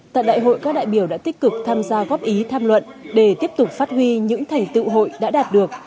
tại đại hội các đại biểu đã tích cực tham gia góp ý tham luận để tiếp tục phát huy những thành tựu hội đã đạt được